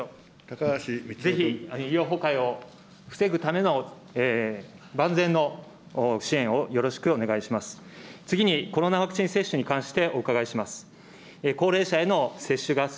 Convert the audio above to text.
ぜひ医療崩壊を防ぐための万全の支援をよろしくお願いします。